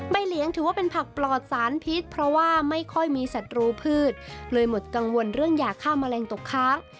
เลี้ยงถือว่าเป็นผักปลอดสารพิษเพราะว่าไม่ค่อยมีสัตว์รูพืชเลยหมดกังวลเรื่องยาฆ่าแมลงตกค้าง